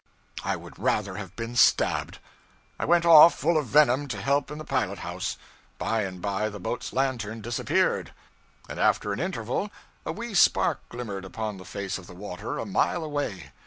I would rather have been stabbed. I went off, full of venom, to help in the pilot house. By and by the boat's lantern disappeared, and after an interval a wee spark glimmered upon the face of the water a mile away.